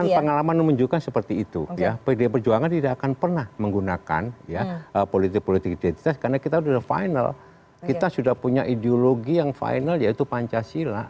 dengan pengalaman menunjukkan seperti itu ya pdi perjuangan tidak akan pernah menggunakan politik politik identitas karena kita sudah final kita sudah punya ideologi yang final yaitu pancasila